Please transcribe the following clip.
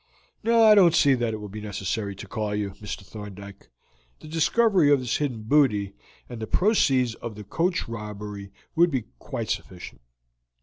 "No, I don't see that it will be necessary to call you, Mr. Thorndyke. The discovery of this hidden booty and the proceeds of the coach robbery would be quite sufficient.